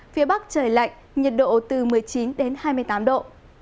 phía bắc trời lạnh nhiệt độ từ một mươi chín đến hai mươi tám độ